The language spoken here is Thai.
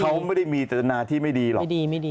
เขาไม่ได้มีจตนาที่ไม่ดีหรอก